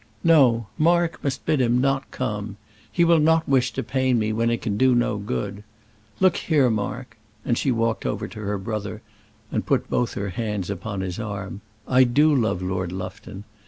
"No; Mark must bid him not come. He will not wish to pain me when it can do no good. Look here, Mark;" and she walked over to her brother, and put both her hands upon his arm. "I do love Lord Lufton.